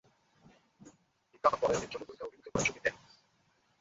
ইকরামা পলায়নের জন্য পরিখা অভিমুখে ঘোড়া ছুটিয়ে দেয়।